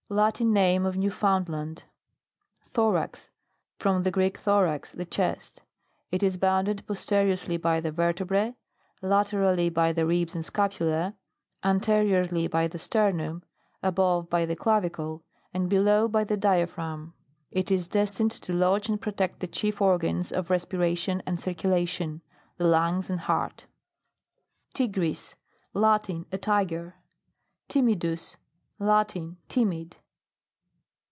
Latin name of New foundland. THORAX. From the Greek, thorax, the chest. It is bounded posteriorly by the vertebree; laterally, by the ribs and scapula; anteriorly, by the sternum ; above, by the clavicle ; and below, by the diaphragm. It is destined to lodge and protect the chief organs of respiration and cir culation : the lungs and heart TIGRIS. Latin. A tiger. TIMIDUS Latin. Timid.